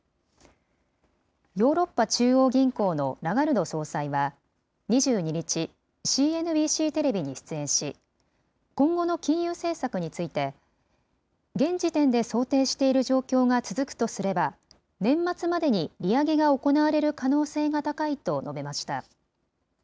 ヨーロッパ中央銀行のラガルド総裁は２２日、ＣＮＢＣテレビに出演し、今後の金融政策について、現時点で想定している状況が続くとすれば、年末までに利上げが行われる可能性が高いと述べました。